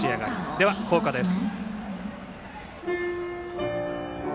では、校歌です。